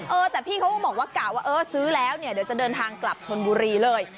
เออแต่พี่เขาก็บอกว่ากะว่าเออซื้อแล้วเนี่ยเดี๋ยวจะเดินทางกลับชนบุรีเลย